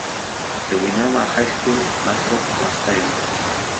The Winona High School mascot was Tigers.